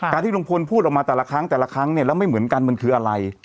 ที่ลุงพลพูดออกมาแต่ละครั้งแต่ละครั้งเนี่ยแล้วไม่เหมือนกันมันคืออะไร